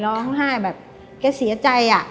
ร้องไห้แบบแกเสียใจอะ